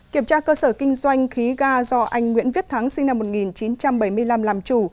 kiểm tra cơ sở kinh doanh khí ga do anh nguyễn viết thắng sinh năm một nghìn chín trăm bảy mươi năm làm chủ